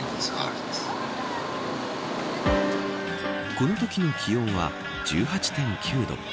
このときの気温は１８．９度。